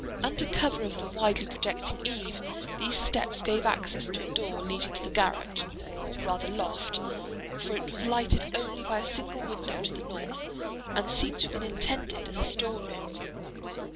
Under cover of the widely projecting eave these steps gave access to a door leading to the garret, or rather loft—for it was lighted only by a single window to the north, and seemed to have been intended as a store room.